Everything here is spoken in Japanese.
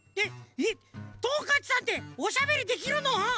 えっトンカチさんっておしゃべりできるの？